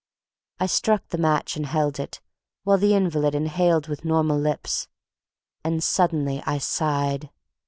I struck the match and held it, while the invalid inhaled with normal lips; and suddenly I sighed.